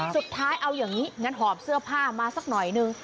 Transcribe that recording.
สุดท้ายเอาอย่างนี้งั้นหอบเสื้อผ้ามาสักหน่อยนึง